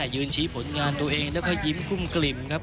ยืนชี้ผลงานตัวเองแล้วก็ยิ้มกุ้มกลิ่มครับ